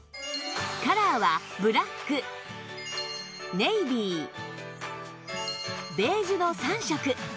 カラーはブラックネイビーベージュの３色